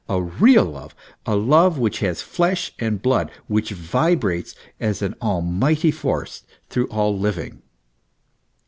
a real love, a love which has flesh and blood, which vibrates as an almighty force through all living.